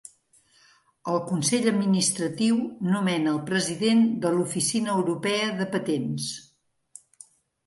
El Consell Administratiu nomena el president de l"Oficina Europea de Patents.